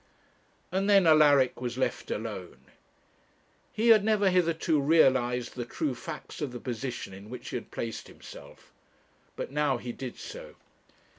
And then Alaric was left alone. He had never hitherto realized the true facts of the position in which he had placed himself; but now he did so.